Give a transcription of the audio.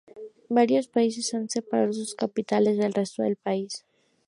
Varios países han separado sus capitales del resto del país.